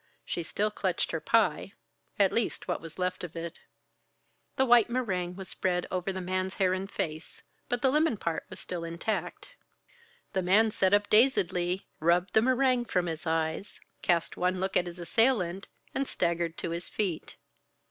She still clutched her pie at least what was left of it; the white meringue was spread over the man's hair and face; but the lemon part was still intact. The man sat up dazedly, rubbed the meringue from his eyes, cast one look at his assailant, and staggered to his feet.